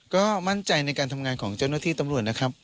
ก็มั่นใจในการทำงานของเจ้าหน้าที่ตำรวจนะครับ